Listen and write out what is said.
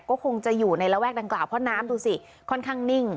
ก็คงจะอยู่ในระแวกดังกล่าวเพราะน้ำดูสิค่อนข้างนิ่ง